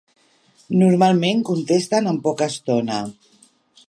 Normalment contesten en poca estona.